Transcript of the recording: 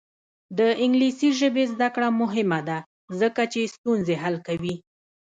د انګلیسي ژبې زده کړه مهمه ده ځکه چې ستونزې حل کوي.